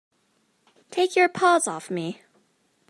Take your paws off me!